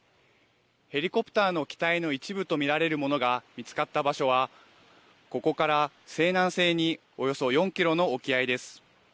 ヘリコプターの機体の一部と見られるものが見つかった場所はここから西南西におよそ４キロの沖合です。